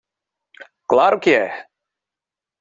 Claro que é.